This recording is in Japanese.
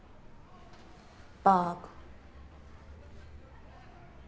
バーカ。